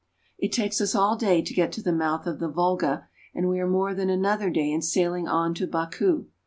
It takes us all day to get to the mouth of the Volga, and we are more than another day in sailing on to Baku.